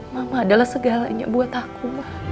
mama adalah segalanya buat aku